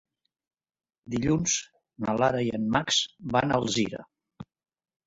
Dilluns na Lara i en Max van a Alzira.